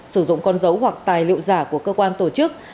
sử dụng con dấu hoặc tài liệu giả của cơ quan tổ chức